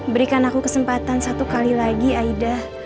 berikan aku kesempatan satu kali lagi aida